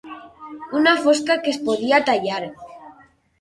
Una fosca que es podia tallar.